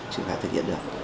chỉ phải thực hiện được